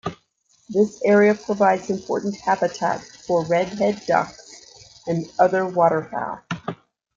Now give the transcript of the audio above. This area provides important habitat for Redhead ducks and other waterfowl.